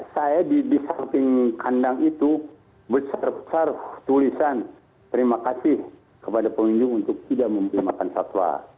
saya di samping kandang itu besar besar tulisan terima kasih kepada pengunjung untuk tidak memberi makan satwa